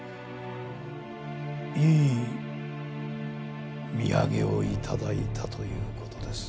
いい土産を頂いたという事です。